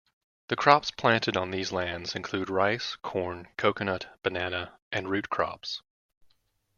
The crops planted on these lands include rice, corn, coconut, banana, and root crops.